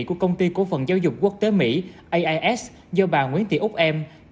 của công ty cổ phần giáo dục quốc tế mỹ ais do bà nguyễn tị úc em